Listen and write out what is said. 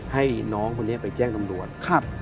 ให้น้องคนนี้ไปแจ้งตำรวจ